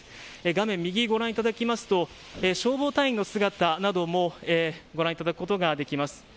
画面右をご覧いただきますと消防隊員の姿などもご覧いただくことができます。